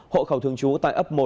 hộ khẩu thường chú tại ấp một